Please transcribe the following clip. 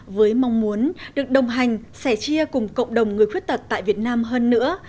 với mong muốn được đồng hành sẻ chia cùng cộng đồng người khuyết tật tại việt nam hơn nữa